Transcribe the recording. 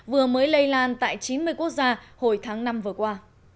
vừa mới lây lan tại chín mươi quốc gia hồi tháng năm vừa qua